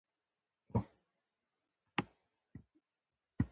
سندره د جګړې خلاف چیغه ده